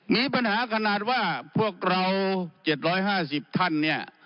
มีปัญหาขนาดว่าพวกเราเจ็ดร้อยห้าสิบท่านเนี่ย